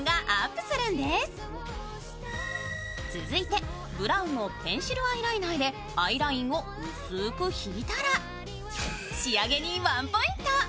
続いてブラウンのペンシルアイライナーでアイラインを薄く引いたら仕上げにワンポイント。